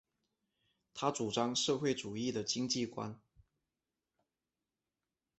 他主张社会主义的经济观。